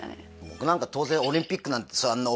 僕なんか当然オリンピックなんてさあんな